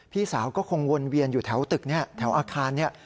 พี่สาวก็คงวนเวียนอยู่แถวตึกเนี่ยแถวอาคารเนี่ย